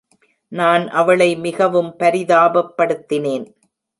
நான் அவளை மிகவும் பரிதாபப்படுத்தினேன்.